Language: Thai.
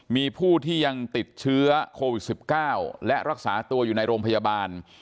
มีผู้ที่ยังติดเชื้อโควิด๑๙และรักษาตัวอยู่ในโรงพยาบาล